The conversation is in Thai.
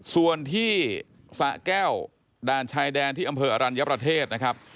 ส่วนที่สะแก้วด่านชายแดนที่อำเภออรัญญประเทศนะครับ